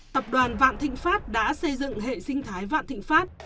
tập đoàn vạn thịnh pháp đã xây dựng hệ sinh thái vạn thịnh pháp